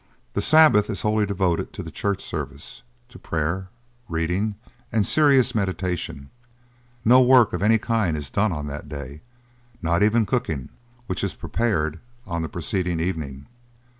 The Sabbath is wholly devoted to the church service, to prayer, reading, and serious meditation; no work of any kind is done on that day, not even cooking, which is prepared on the preceding evening.